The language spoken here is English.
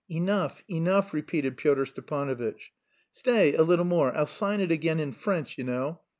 "Enough, enough," repeated Pyotr Stepanovitch. "Stay, a little more. I'll sign it again in French, you know.